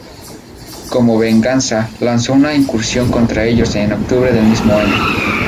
Como venganza, lanzó una incursión contra ellos en octubre del mismo año.